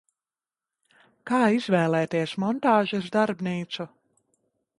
Kā izvēlēties montāžas darbnīcu?